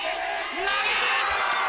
投げる！